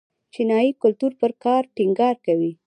چینايي کلتور پر کار ټینګار کوي.